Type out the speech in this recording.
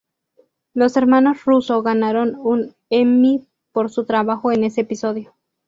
Los hermanos Russo ganaron un Emmy por su trabajo en ese episodio.